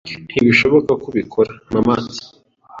Ntibishoboka ko ubikora. (mamat)